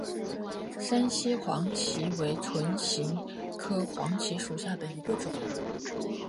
山西黄芩为唇形科黄芩属下的一个种。